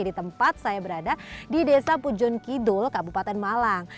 di tempat saya berada di desa pujon kidul kabupaten malang